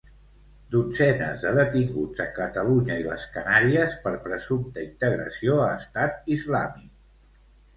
Dotzenes de detinguts a Catalunya i les Canàries per presumpta integració a Estat Islàmic.